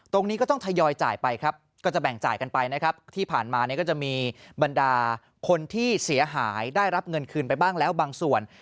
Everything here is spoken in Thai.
ตรงนี้ก็ต้องทยอยจ่ายไปครับก็จะแบ่งจ่ายกันไปนะครับที่ผ่านมาเนี่ยก็จะมีบรรดาคนที่เสียหายได้รับเงินคืนไปบ้างแล้วบางส่วน